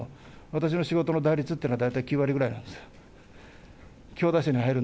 私の仕事の打率というのは大体９割ぐらいなんです。